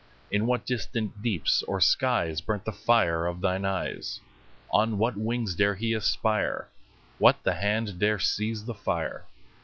In what distant deeps or skies 5 Burnt the fire of thine eyes? On what wings dare he aspire? What the hand dare seize the fire?